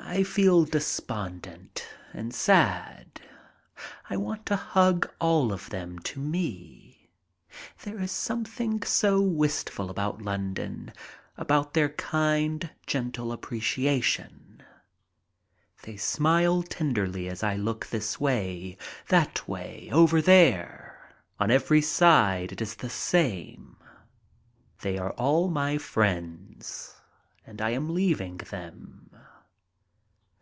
I feel despondent and sad. I want to hug all of them to me. There is something so wistful about London, about their kind, gentle appreciation. They smile tenderly as I look this way, that way, over there — on every side it is the same. They are all my friends and I am leaving them.